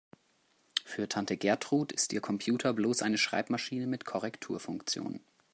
Für Tante Gertrud ist ihr Computer bloß eine Schreibmaschine mit Korrekturfunktion.